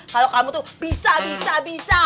kalau kamu tuh bisa bisa